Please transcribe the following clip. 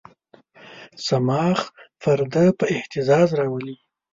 صماخ پرده په اهتزاز راولي.